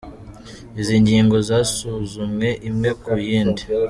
Izi ngingo zasuzumwe imwe ku yindi :